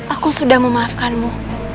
aku sudah memaafkanmu